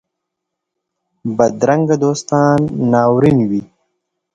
بدرنګه دوستان ناورین وي